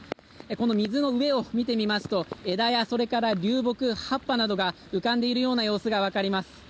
この水の上を見てみますと枝や流木、葉っぱなどが浮かんでいるような様子が分かります。